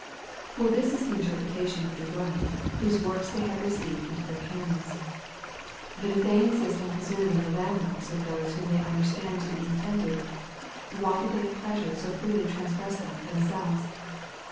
For this is the interpretation of Jerome, whose works they have received into their canons. But if they insist on preserving the landmarks of those whom they understand to be intended, why do they at pleasure so freely transgress them themselves?